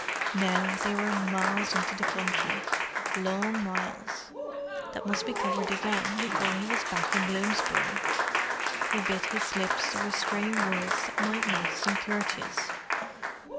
Now they were miles into the country—long miles that must be covered again before he was back in Bloomsbury. He bit his lips to restrain words that might not seem courteous.